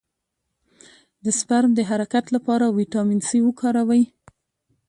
د سپرم د حرکت لپاره ویټامین سي وکاروئ